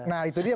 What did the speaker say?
nah itu dia